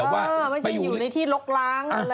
ไม่ใช่อยู่ในที่ลกล้าง